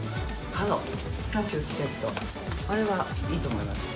あれはいいと思います。